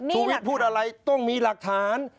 ชูวิทย์พูดอะไรต้องมีหลักฐาน